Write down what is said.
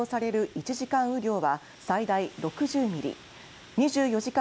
１時間雨量は最大６０ミリ２４時間